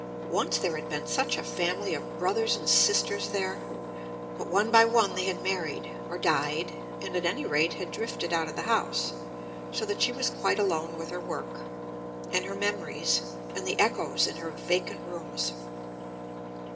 Once there had been such a family of brothers and sisters there! But one by one they had married, or died, and at any rate had drifted out of the house, so that she was quite alone with her work, and her memories, and the echoes in her vacant rooms.